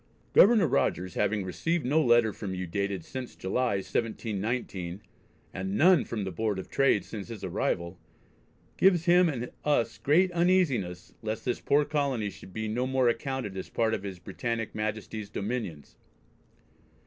"Governor Rogers having received no letter from you dated since July, 1719, and none from the Board of Trade since his arrival, gives him and us great uneasiness least this poor colony should be no more accounted as part of His Britannick Majesty's dominions."